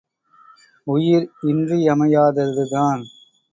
உயிர் இன்றியமை யாததுதான்!